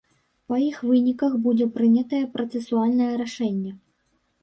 Па іх выніках будзе прынятае працэсуальнае рашэнне.